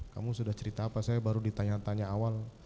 kamu sudah cerita apa saya baru ditanya tanya awal